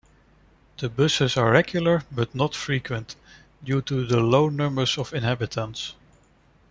The buses are regular, but not frequent, due to the low number of inhabitants.